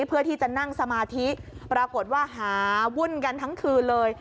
เพื่อที่จะนั่งสมาธิปรากฏว่าหาวุ่นกันทั้งคืนเลย